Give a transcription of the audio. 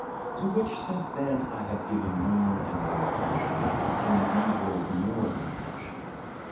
to which since then I have given more and more attention, and indeed what is more than attention.